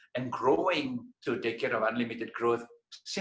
dan tumbuh untuk menjaga kembang yang tidak terbatas